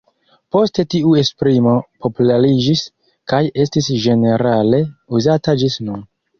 Poste tiu esprimo populariĝis kaj estis ĝenerale uzata gis nun.